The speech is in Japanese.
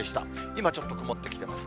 今ちょっと曇ってきてます。